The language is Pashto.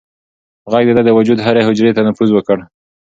غږ د ده د وجود هرې حجرې ته نفوذ وکړ.